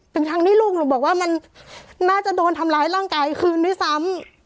ทั้งที่ลูกหนูบอกว่ามันน่าจะโดนทำร้ายร่างกายคืนด้วยซ้ำ